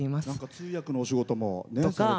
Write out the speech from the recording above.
通訳のお仕事も。